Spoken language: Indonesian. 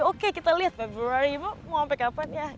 oke kita lihat februari mau sampai kapan ya